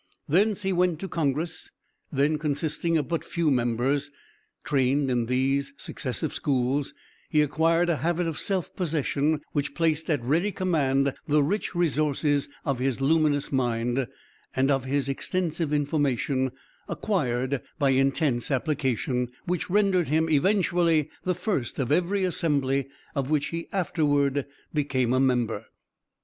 Thence he went to Congress, then consisting of but few members. Trained in these successive schools, he acquired a habit of self possession which placed at ready command the rich resources of his luminous mind, and of his extensive information, acquired by INTENSE application, which rendered him eventually the first of every assembly of which he afterward became a member."